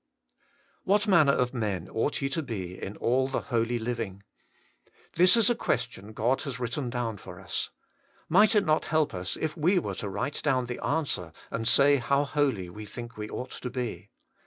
1. What manner of men ought ye to be In all the holy living ? This is a question God has written down for us. Might it not help us if we were to write down the answer, and say how holy we think we ought to be